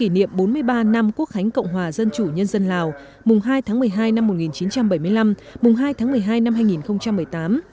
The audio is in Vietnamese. niệm bốn mươi ba năm quốc khánh cộng hòa dân chủ nhân dân lào mùng hai tháng một mươi hai năm một nghìn chín trăm bảy mươi năm mùng hai tháng một mươi hai năm hai nghìn một mươi tám